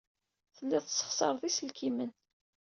Telliḍ tessexṣareḍ iselkimen.